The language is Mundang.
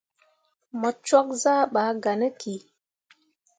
Mo cwakke zah ɓaa gah ne ki.